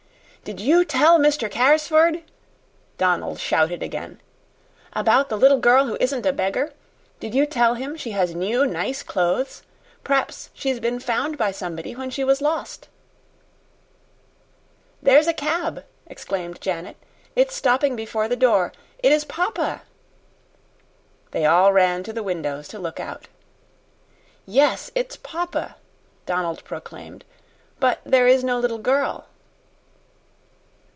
"Did you tell Mr. Carrisford," Donald shouted again, "about the little girl who isn't a beggar? Did you tell him she has new nice clothes? P'r'aps she's been found by somebody when she was lost." "There's a cab!" exclaimed Janet. "It's stopping before the door. It is papa!" They all ran to the windows to look out. "Yes, it's papa," Donald proclaimed. "But there is no little girl."